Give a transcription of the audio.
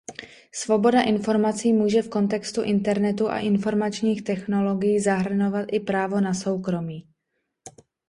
Svoboda informací může v kontextu Internetu a informačních technologií zahrnovat i právo na soukromí.